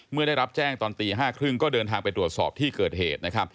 เมื่อได้รับแจ้งตอนตี๕๓๐ก็เดินทางไปตรวจสอบที่เกิดเหตุนะครับ